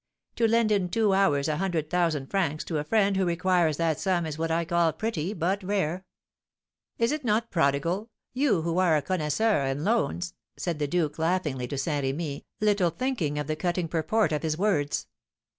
To lend in two hours a hundred thousand francs to a friend who requires that sum is what I call pretty, but rare. Is it not prodigal, you who are a connoisseur in loans?" said the duke, laughingly, to Saint Remy, little thinking of the cutting purport of his words.